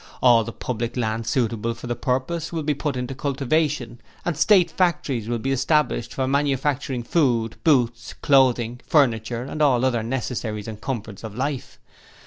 All the public land suitable for the purpose will be put into cultivation and State factories will be established for manufacturing food, boots, clothing, furniture and all other necessaries and comforts of life.